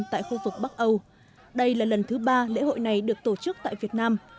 tại khu vực bắc âu đây là lần thứ ba lễ hội này được tổ chức tại việt nam